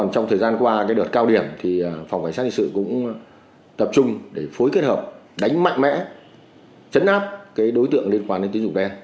trong thời gian qua đợt cao điểm phòng cảnh sát hình sự cũng tập trung để phối kết hợp đánh mạnh mẽ chấn áp đối tượng liên quan đến tín dụng đen